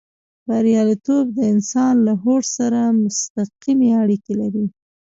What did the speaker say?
برياليتوب د انسان له هوډ سره مستقيمې اړيکې لري.